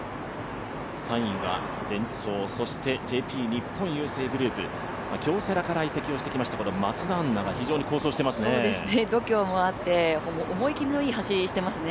３位がデンソー、そしてＪＰ日本郵政グループ、京セラから移籍してきた松田杏奈が非常に好走していますね。